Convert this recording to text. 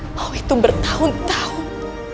mau itu bertahun tahun